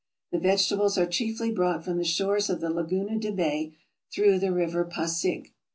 The vegetables are chiefly brought from the shores of the Laguna de Bay, through the river Pasig.